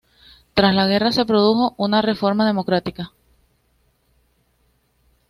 Tras la guerra se produjo una reforma democrática.